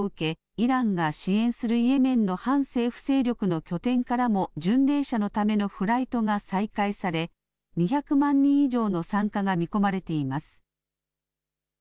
イランが支援するイエメンの反政府勢力の拠点からも巡礼者のためのフライトが再開され２００万人以上の参加が見込まれています。